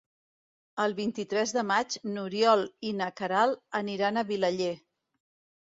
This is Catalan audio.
El vint-i-tres de maig n'Oriol i na Queralt aniran a Vilaller.